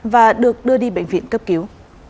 và được đưa đi bệnh viện cấp cứu